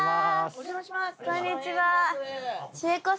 お邪魔します。